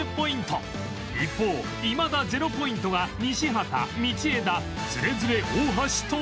一方いまだゼロポイントが西畑道枝ズレズレ大橋と